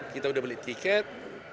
kita udah beli tiket